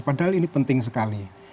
padahal ini penting sekali